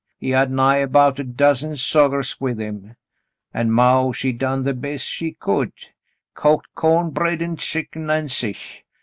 He had nigh about a dozen sogers with him ; an' maw, she done the bes' she could, — cooked corn bread, an' chick'n an' sich.